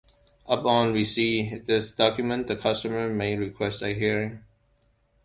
Upon receipt of this document, the customer may request a hearing.